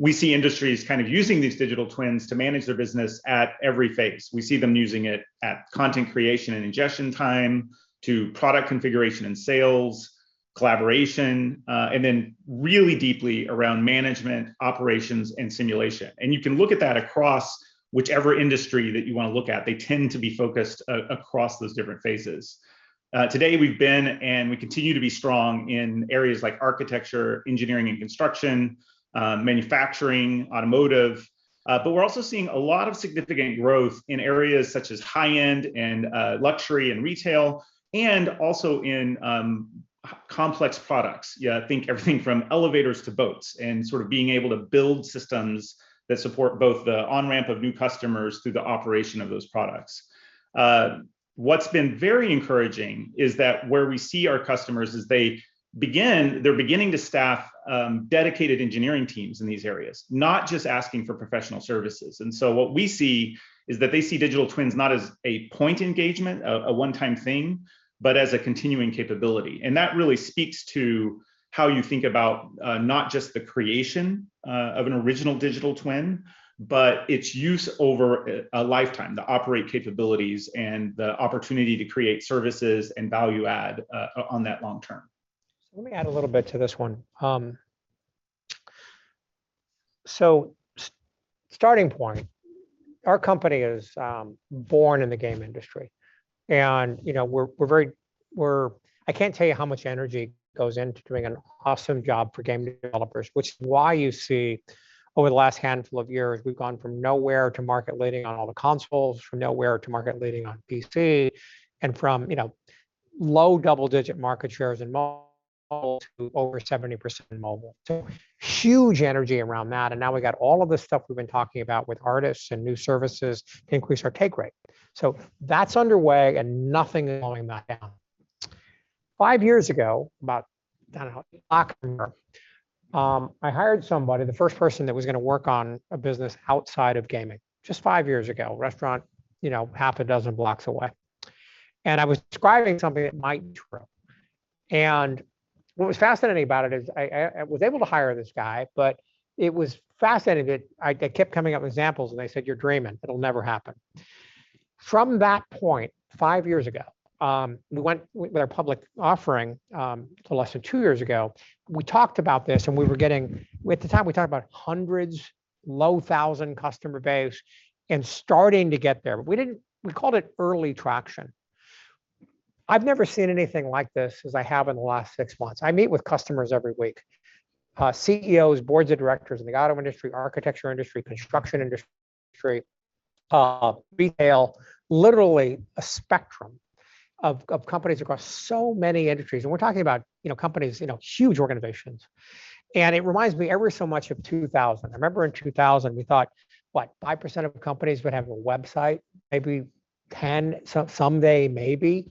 we see industries kind of using these digital twins to manage their business at every phase. We see them using it at content creation and ingestion time, to product configuration and sales, collaboration, and then really deeply around management, operations, and simulation. You can look at that across whichever industry that you wanna look at. They tend to be focused across those different phases. Today we've been and we continue to be strong in areas like architecture, engineering and construction, manufacturing, automotive, but we're also seeing a lot of significant growth in areas such as high-end and luxury and retail, and also in complex products. Yeah, think everything from elevators to boats, and sort of being able to build systems that support both the on-ramp of new customers through the operation of those products. What's been very encouraging is that where we see our customers is they're beginning to staff dedicated engineering teams in these areas, not just asking for professional services. What we see is that they see digital twins not as a point engagement, a one-time thing, but as a continuing capability. That really speaks to how you think about not just the creation of an original digital twin, but its use over a lifetime, the Operate capabilities and the opportunity to create services and value add on that long term. Let me add a little bit to this one. Starting point, our company is born in the game industry and, you know, we're very, I can't tell you how much energy goes into doing an awesome job for game developers, which is why you see over the last handful of years, we've gone from nowhere to market leading on all the consoles, from nowhere to market leading on PC and from, you know, low double-digit market shares in mobile to over 70% in mobile. Huge energy around that. Now we've got all of this stuff we've been talking about with artists and new services to increase our take rate. That's underway and nothing's slowing that down. Five years ago, about October, I don't know, I hired somebody, the first person that was gonna work on a business outside of gaming, just five years ago, restaurant, you know, half a dozen blocks away. What was fascinating about it is I was able to hire this guy, but it was fascinating that I kept coming up with examples and they said, "You're dreaming. It'll never happen." From that point five years ago, we went with our public offering to less than two years ago. We talked about this and we were getting. At the time we talked about hundreds, low thousand customer base and starting to get there. We called it early traction. I've never seen anything like this as I have in the last six months. I meet with customers every week, CEOs, boards of directors in the auto industry, architecture industry, construction industry, retail, literally a spectrum of companies across so many industries. We're talking about, you know, companies, you know, huge organizations. It reminds me ever so much of 2000. I remember in 2000 we thought, what, 5% of companies would have a website, maybe 10%, someday maybe.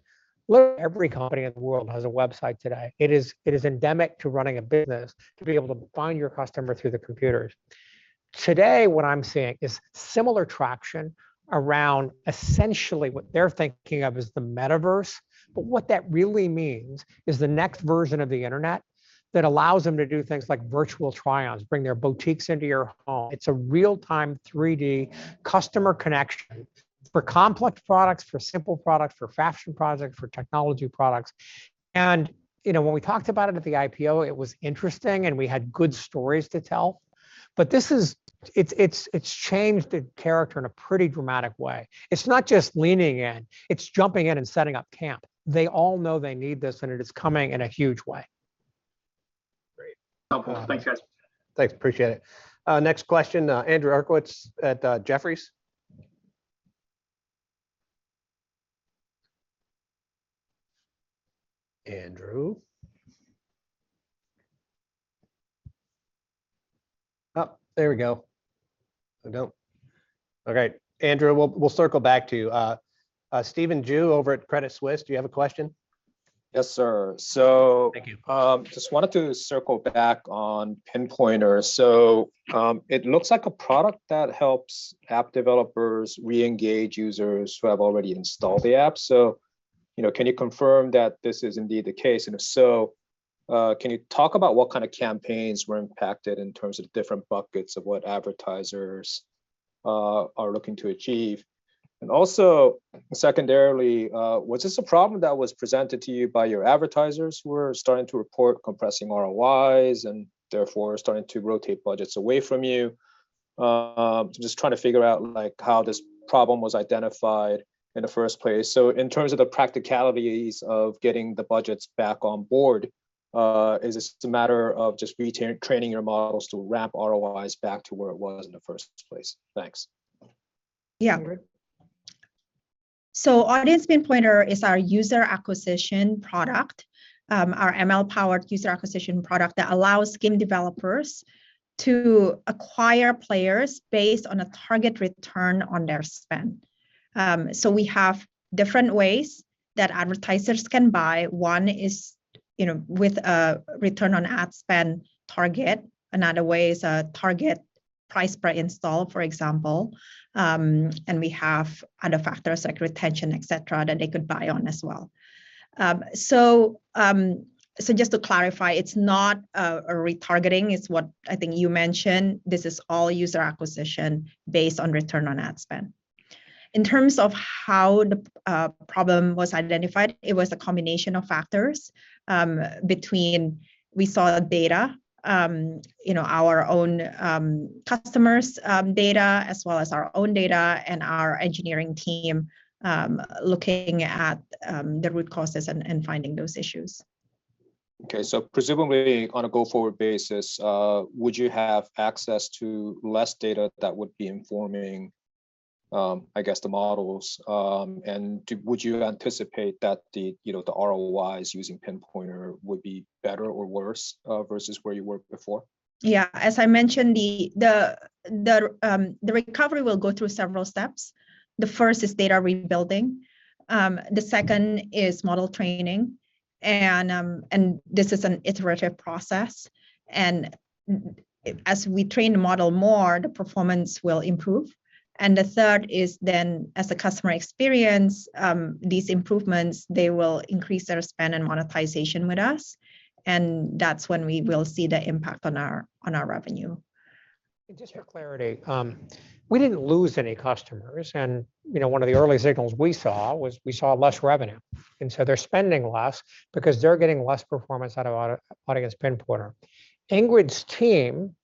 Every company in the world has a website today. It is endemic to running a business to be able to find your customer through the computers. Today, what I'm seeing is similar traction around essentially what they're thinking of as the metaverse. What that really means is the next version of the Internet that allows them to do things like virtual try-ons, bring their boutiques into your home. It's a real-time, 3D customer connection for complex products, for simple products, for fashion products, for technology products. You know, when we talked about it at the IPO, it was interesting and we had good stories to tell. This is, it's changed the character in a pretty dramatic way. It's not just leaning in, it's jumping in and setting up camp. They all know they need this and it is coming in a huge way. Great. Helpful. Thanks, guys. Thanks. Appreciate it. Next question, Andrew Uerkwitz at Jefferies. Andrew? Oh, there we go. No. Okay, Andrew, we'll circle back to you. Stephen Ju over at Credit Suisse, do you have a question? Yes, sir. Thank you. Just wanted to circle back on Pinpointer. It looks like a product that helps app developers re-engage users who have already installed the app. You know, can you confirm that this is indeed the case? If so, can you talk about what kind of campaigns were impacted in terms of different buckets of what advertisers are looking to achieve? Also, secondarily, was this a problem that was presented to you by your advertisers who are starting to report compressing ROIs and therefore starting to rotate budgets away from you? Just trying to figure out like how this problem was identified in the first place. In terms of the practicalities of getting the budgets back on board, is this a matter of just training your models to ramp ROIs back to where it was in the first place? Thanks. Yeah. Audience Pinpointer is our user acquisition product, our ML-powered user acquisition product that allows game developers to acquire players based on a target return on their spend. We have different ways that advertisers can buy. One is, you know, with a return on ad spend target. Another way is a target price per install, for example. And we have other factors like retention, et cetera, that they could buy on as well. Just to clarify, it's not. A retargeting is what I think you mentioned. This is all user acquisition based on return on ad spend. In terms of how the problem was identified, it was a combination of factors between we saw the data, you know, our own customers' data, as well as our own data and our engineering team looking at the root causes and finding those issues. Okay, presumably on a go-forward basis, would you have access to less data that would be informing, I guess, the models? Would you anticipate that the, you know, the ROIs using Pinpointer would be better or worse, versus where you were before? Yeah, as I mentioned, the recovery will go through several steps. The first is data rebuilding. The second is model training, and this is an iterative process. As we train the model more, the performance will improve. The third is then, as the customer experience these improvements, they will increase their spend and monetization with us, and that's when we will see the impact on our revenue. Just for clarity, we didn't lose any customers. You know, one of the early signals we saw was less revenue. They're spending less because they're getting less performance out of Audience Pinpointer. Ingrid's team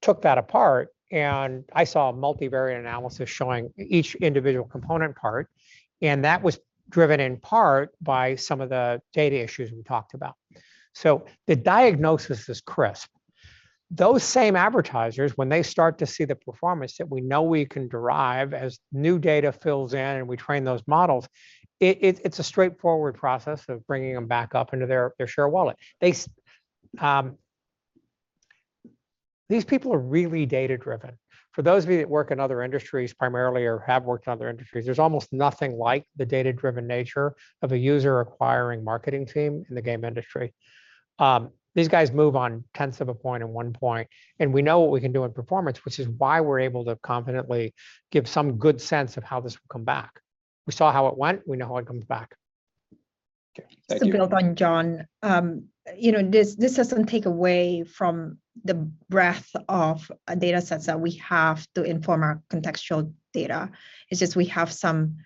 took that apart, and I saw a multivariate analysis showing each individual component part, and that was driven in part by some of the data issues we talked about. The diagnosis is crisp. Those same advertisers, when they start to see the performance that we know we can derive as new data fills in and we train those models, it's a straightforward process of bringing them back up into their share wallet. These people are really data-driven. For those of you that work in other industries primarily or have worked in other industries, there's almost nothing like the data-driven nature of a user acquiring marketing team in the game industry. These guys move on tenths of a point and one point, and we know what we can do in performance, which is why we're able to confidently give some good sense of how this will come back. We saw how it went, we know how it comes back. Okay. Thank you. Just to build on John, you know, this doesn't take away from the breadth of data sets that we have to inform our contextual data. It's just we have some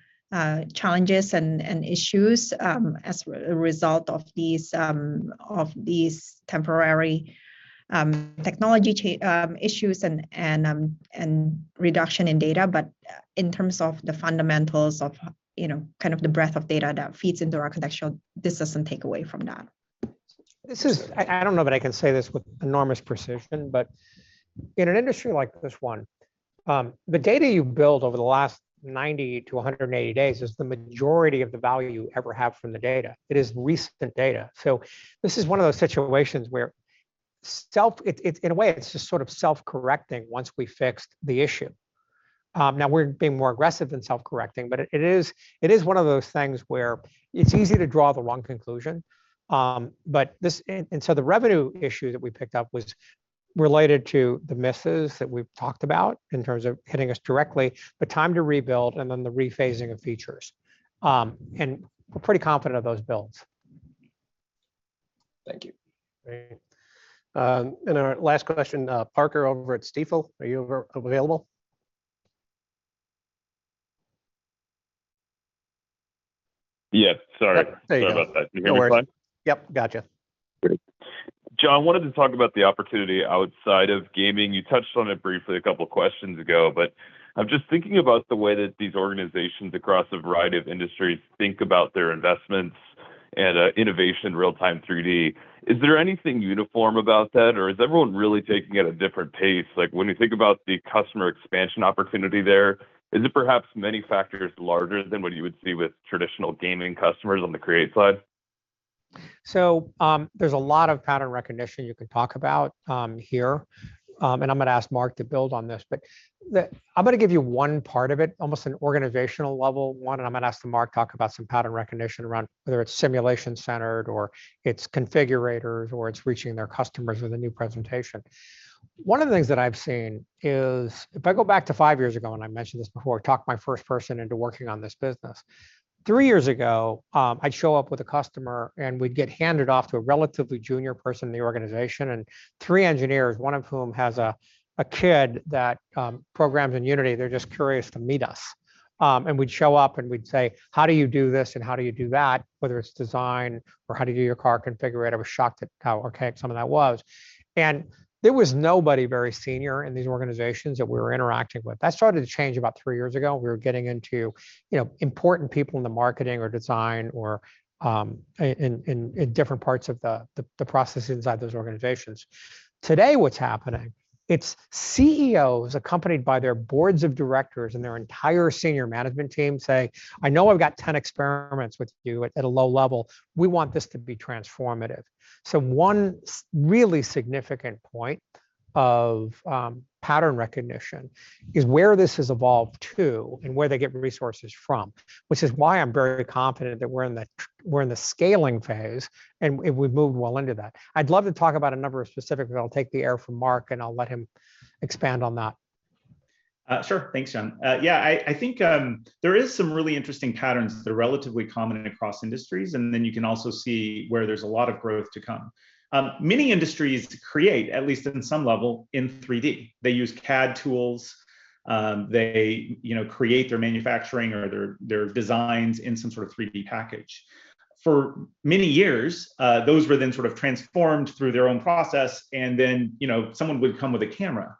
challenges and issues as a result of these temporary technology issues and reduction in data. In terms of the fundamentals of, you know, kind of the breadth of data that feeds into our contextual, this doesn't take away from that. I don't know that I can say this with enormous precision, but in an industry like this one, the data you build over the last 90 days-180 days is the majority of the value you ever have from the data. It is recent data. This is one of those situations where, in a way, it's just sort of self-correcting once we fixed the issue. Now we're being more aggressive than self-correcting, but it is one of those things where it's easy to draw the wrong conclusion. The revenue issue that we picked up was related to the misses that we've talked about in terms of hitting us directly, the time to rebuild, and then the rephasing of features. We're pretty confident of those builds. Thank you. Great. Our last question, Parker over at Stifel, are you available? Yeah. Sorry. There you go. Sorry about that. Can you hear me fine? No worries. Yep, gotcha. Great. John, wanted to talk about the opportunity outside of gaming. You touched on it briefly a couple of questions ago. I'm just thinking about the way that these organizations across a variety of industries think about their investments and, innovation real-time 3D. Is there anything uniform about that, or is everyone really taking it at a different pace? Like, when you think about the customer expansion opportunity there, is it perhaps many factors larger than what you would see with traditional gaming customers on the create side? There's a lot of pattern recognition you can talk about, here. I'm gonna ask Marc to build on this. I'm gonna give you one part of it, almost an organizational level one, and I'm gonna ask Marc to talk about some pattern recognition around whether it's simulation-centered or it's configurators or it's reaching their customers with a new presentation. One of the things that I've seen is if I go back to five years ago, and I mentioned this before, talked my first person into working on this business. Three years ago, I'd show up with a customer, and we'd get handed off to a relatively junior person in the organization and three engineers, one of whom has a kid that programs in Unity, they're just curious to meet us. We'd show up, and we'd say, "How do you do this, and how do you do that?" Whether it's design or how do you do your car configurator. I was shocked at how archaic some of that was. There was nobody very senior in these organizations that we were interacting with. That started to change about three years ago. We were getting into, you know, important people in the marketing or design or in different parts of the process inside those organizations. Today what's happening, it's CEOs accompanied by their boards of directors and their entire senior management team saying, "I know I've got 10 experiments with you at a low level. We want this to be transformative. One really significant point of pattern recognition is where this has evolved to and where they get resources from, which is why I'm very confident that we're in the scaling phase, and we've moved well into that. I'd love to talk about a number of specifics, but I'll take it from Marc, and I'll let him expand on that. Sure. Thanks, John. Yeah, I think there is some really interesting patterns that are relatively common across industries, and then you can also see where there's a lot of growth to come. Many industries create, at least in some level, in 3D. They use CAD tools, they, you know, create their manufacturing or their designs in some sort of 3D package. For many years, those were then sort of transformed through their own process, and then, you know, someone would come with a camera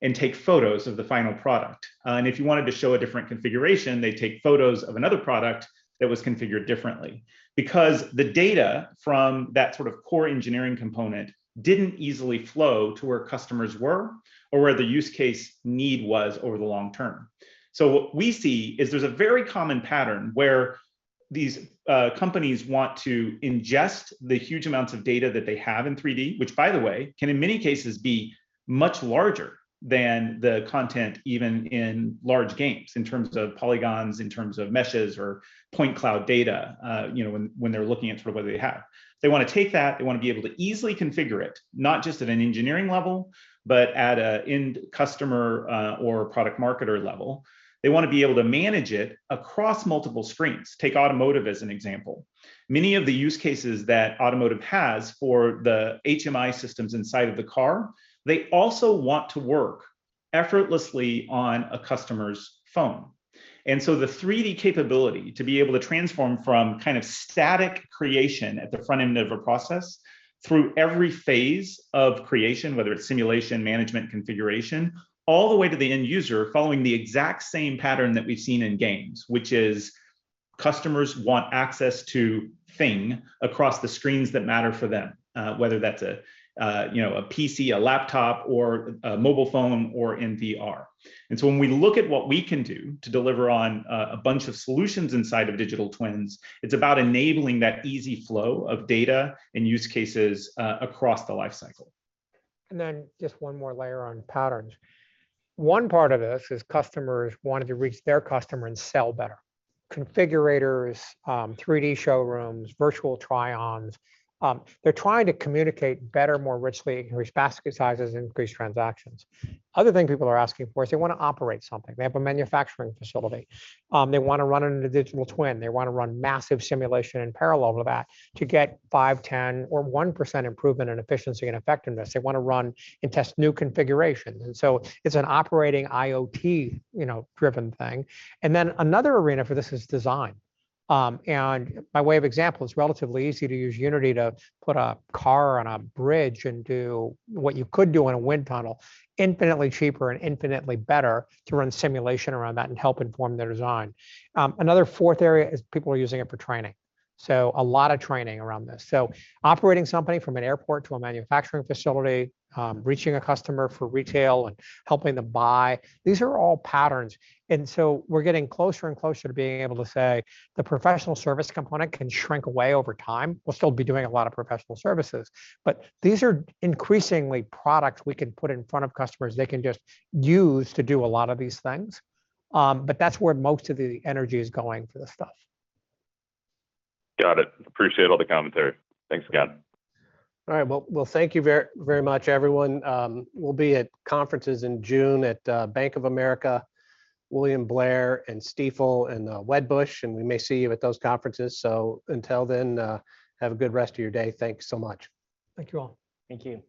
and take photos of the final product. If you wanted to show a different configuration, they'd take photos of another product that was configured differently. Because the data from that sort of core engineering component didn't easily flow to where customers were or where the use case need was over the long term. What we see is there's a very common pattern where these companies want to ingest the huge amounts of data that they have in 3D, which by the way, can in many cases be much larger than the content even in large games in terms of polygons, in terms of meshes or point cloud data, you know, when they're looking at sort of what they have. They wanna take that, they wanna be able to easily configure it, not just at an engineering level, but at a end customer or product marketer level. They wanna be able to manage it across multiple screens. Take automotive as an example. Many of the use cases that automotive has for the HMI systems inside of the car, they also want to work effortlessly on a customer's phone. The 3D capability to be able to transform from kind of static creation at the front end of a process through every phase of creation, whether it's simulation, management, configuration, all the way to the end user following the exact same pattern that we've seen in games, which is customers want access to things across the screens that matter for them, whether that's a you know a PC, a laptop or a mobile phone or in VR. When we look at what we can do to deliver on a bunch of solutions inside of digital twins, it's about enabling that easy flow of data and use cases across the life cycle. Just one more layer on patterns. One part of this is customers wanted to reach their customer and sell better. Configurators, 3D showrooms, virtual try-ons, they're trying to communicate better, more richly, increase basket sizes, increase transactions. Other thing people are asking for is they wanna operate something. They have a manufacturing facility, they wanna run it in a digital twin. They wanna run massive simulation in parallel to that to get 5%, 10%, or 1% improvement in efficiency and effectiveness. They wanna run and test new configurations. It's an operating IoT, you know, driven thing. Another arena for this is design. By way of example, it's relatively easy to use Unity to put a car on a bridge and do what you could do in a wind tunnel, infinitely cheaper and infinitely better to run simulation around that and help inform the design. Another fourth area is people are using it for training, so a lot of training around this. Operating something from an airport to a manufacturing facility, reaching a customer for retail and helping them buy, these are all patterns. We're getting closer and closer to being able to say the professional service component can shrink away over time. We'll still be doing a lot of professional services, but these are increasingly products we can put in front of customers they can just use to do a lot of these things. That's where most of the energy is going for this stuff. Got it. Appreciate all the commentary. Thanks again. All right. Well, thank you very much, everyone. We'll be at conferences in June at Bank of America, William Blair, and Stifel, and Wedbush, and we may see you at those conferences. Until then, have a good rest of your day. Thanks so much. Thank you, all. Thank you.